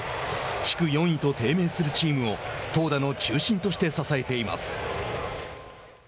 地区４位と低迷するチームを投打の中心として支えています。